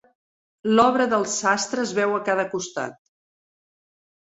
L'obra del sastre es veu a cada costat.